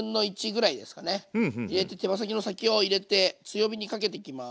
入れて手羽先の先を入れて強火にかけていきます。